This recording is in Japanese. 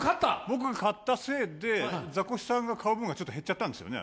僕が買ったせいで、ザコシさんが買う分がちょっと減っちゃったんですよね。